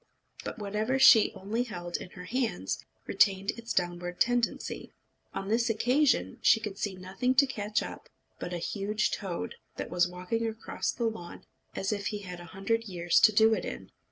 But whatever she only held in her hands retained its downward tendency. On this occasion she could see nothing to catch up but a huge toad, that was walking across the lawn as if he had a hundred years to do it in.